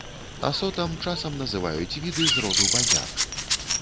Асотам часам называюць віды з роду бадзяк.